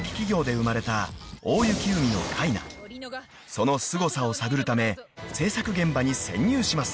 ［そのすごさを探るため制作現場に潜入します］